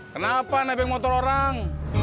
kenapa naik motor orang